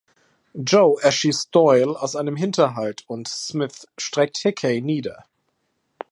Joe erschießt Doyle aus einem Hinterhalt, und Smith streckt Hickey nieder.